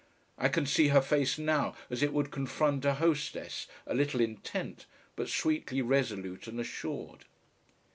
I can see her face now as it would confront a hostess, a little intent, but sweetly resolute and assured.